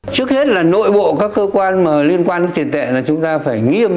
trước hết là nội bộ các cơ quan liên quan đến tiền tệ là chúng ta phải nghiêm